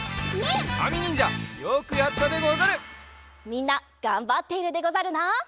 みんながんばっているでござるな。